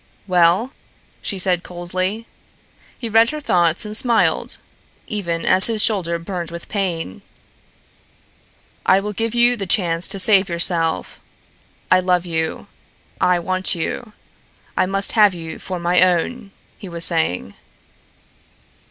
"Well?" she said coldly. He read her thoughts and smiled, even as his shoulder burned with pain. "I will give you the chance to save yourself. I love you. I want you. I must have you for my own," he was saying.